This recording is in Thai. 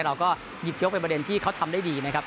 เราก็หยิบยกเป็นประเด็นที่เขาทำได้ดีนะครับ